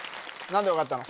何で分かったの？